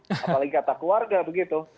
apalagi kata keluarga begitu